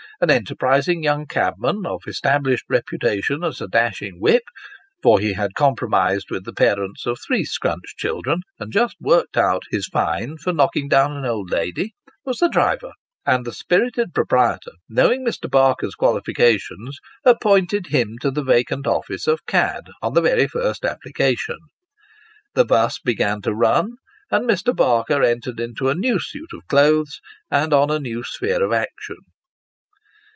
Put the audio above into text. An enterprising young cabman, of established reputation as a dashing whip for he had compromised with the parents of three scrunched children, and just " worked out " his fine, for knocking down an old lady was the driver; and the spirited proprietor, knowing Mr. Barker's qualifica tions, appointed him to the vacant office of cad on the very first application. The buss began to run, and Mr. Barker entered into a . new suit of clothes, and on a new sphere of action.